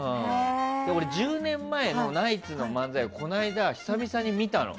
俺、１０年前のナイツの漫才をこの間、久々に見たの。